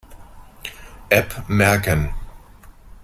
App merken.